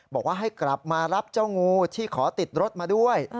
บอกว่าให้กลับมารับเจ้างูที่ขอติดรถมาด้วย